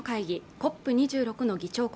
ＣＯＰ２６の議長国